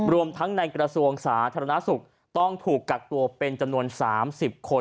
รวมทั้งในกระทรวงสาธารณสุขต้องถูกกักตัวเป็นจำนวน๓๐คน